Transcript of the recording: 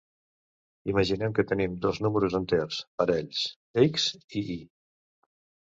Imaginem que tenim dos números enters parells "x" i "y".